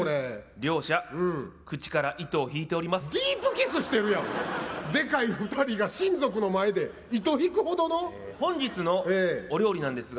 両者、口から糸を引いておりディープキスしてるやん、でかい２人が親族の前で、ほんのお料理なんですが。